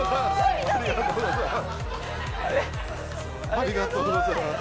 ありがとうございます。